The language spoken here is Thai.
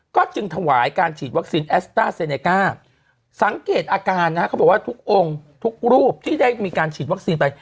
ก็จึงถวายการฉีดวัคซีนแอสต้าเซเนก้าสังเกตอาการนะฮะเขาบอกว่าทุกองค์ทุกรูปที่ได้มีการฉีดวัคซีนไป